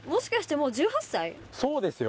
そうですよ。